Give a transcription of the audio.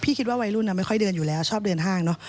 คิดว่าวัยรุ่นไม่ค่อยเดินอยู่แล้วชอบเดินห้างเนอะ